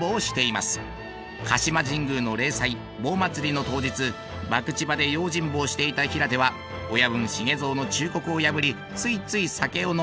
鹿島神宮の例祭棒祭りの当日博打場で用心棒をしていた平手は親分繁蔵の忠告を破りついつい酒を飲んでしまいます。